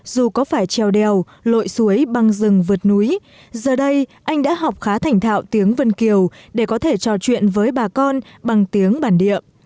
dù có phải trèo đèo lội suối băng rừng vượt núi giờ đây anh đã học khá thành thạo tiếng vân kiều để có thể trò chuyện với bà con bằng tiếng bản địa